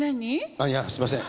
あっいやすみません。